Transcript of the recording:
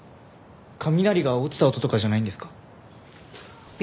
雷が落ちた音とかじゃないんですか？